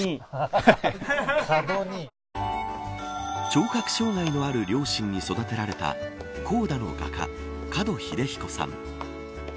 聴覚障害のある両親に育てられたＣＯＤＡの画家門秀彦さん。